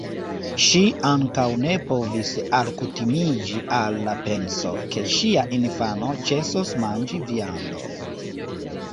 Ŝi ankaŭ ne povis alkutimiĝi al la penso, ke ŝia infano ĉesos manĝi viandon.